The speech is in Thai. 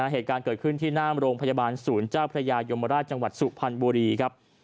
เหตุการณ์เกิดขึ้นที่หน้าโรงพยาบาลศูนย์เจ้าพระยายมราชจังหวัดสุพรรณบุรีครับ